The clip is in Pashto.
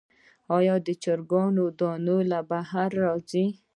آیا د چرګانو دانی له بهر راځي؟